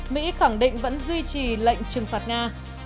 mỹ khẳng định vẫn duy trì lệnh trừng phạt nga